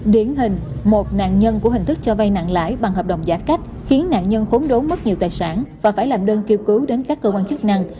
điển hình một nạn nhân của hình thức cho vay nặng lãi bằng hợp đồng giả cách khiến nạn nhân khốn đốn mất nhiều tài sản và phải làm đơn kêu cứu đến các cơ quan chức năng